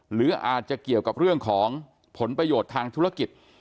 หรืออาจจะเกี่ยวกับเรื่องของผลประโยชน์ทางธุรกิจ